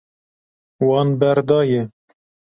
Wan berdaye.